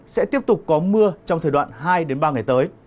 sẽ tiếp tục có mưa trong thời đoạn hai ba ngày tới